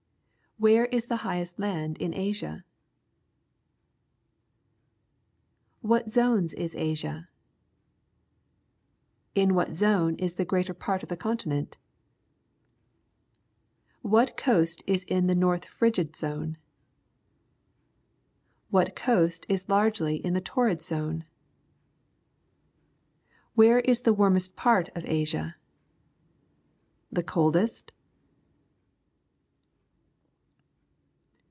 Where is the highest land in Asia? In what zones is Asia? In what zone is the greater part of the continent? What coast is in the North Frigid Zone? What coast is largely in the Torrid Zone ? Where is the warmest part of Asia? The coldest?